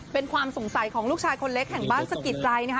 เป็นความสงสัยของลูกชายคนเล็กแห่งบ้านสะกิดใจนะคะ